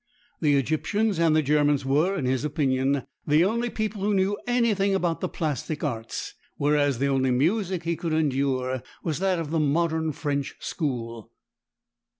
The Egyptians and the Germans were, in his opinion, the only people who knew anything about the plastic arts, whereas the only music he could endure was that of the modern French School.